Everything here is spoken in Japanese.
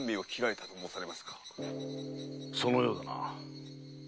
そのようだな。